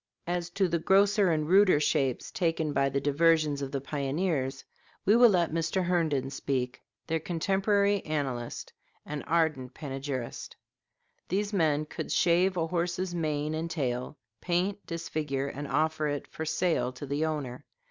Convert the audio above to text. As to the grosser and ruder shapes taken by the diversions of the pioneers, we will let Mr. Herndon speak their contemporary annalist and ardent panegyrist: "These men could shave a horse's mane and tail, paint, disfigure, and offer it for sale to the owner.